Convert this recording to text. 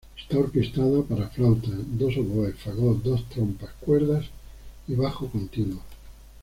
Está orquestada para flauta, dos oboes, fagot, dos trompas, cuerdas y bajo continuo.